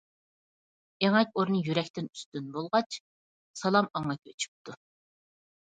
ئېڭەك ئورنى يۈرەكتىن ئۈستۈن، بولغاچ سالام ئاڭا كۆچۈپتۇ.